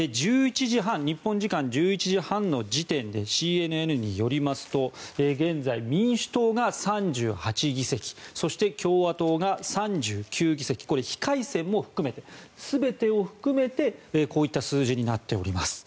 日本時間１１時半の時点でＣＮＮによりますと現在、民主党が３８議席そして、共和党が３９議席これ、非改選も含めて全てを含めてこういった数字になっています。